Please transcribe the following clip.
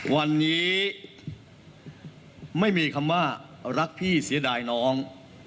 วันนี้ไม่มีคำว่ารักพี่เสียดายน้อง